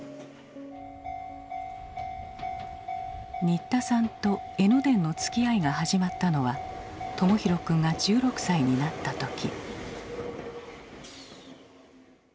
新田さんと江ノ電のつきあいが始まったのは朋宏くんが１６歳になった時。